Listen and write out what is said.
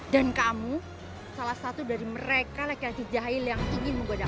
dan kamu salah satu dari mereka laki laki jahil yang ingin menggodaku